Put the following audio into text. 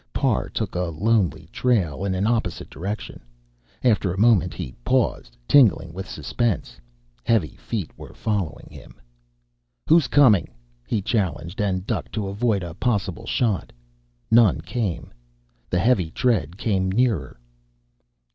Parr took a lonely trail in an opposite direction. After a moment he paused, tingling with suspense. Heavy feet were following him. "Who's coming?" he challenged, and ducked to avoid a possible shot. None came. The heavy tread came nearer.